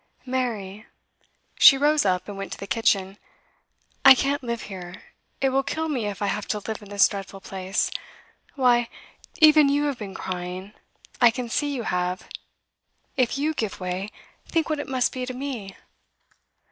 'Mary!' She rose up and went to the kitchen. 'I can't live here! It will kill me if I have to live in this dreadful place. Why, even you have been crying; I can see you have. If you give way, think what it must be to me!